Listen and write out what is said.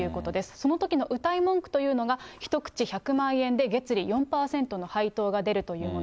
そのときのうたい文句というのが、１口１００万円で月利４％の配当が出るというもの。